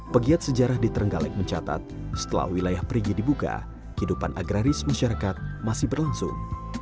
pegiat sejarah di terenggalek mencatat setelah wilayah perigi dibuka kehidupan agraris masyarakat masih berlangsung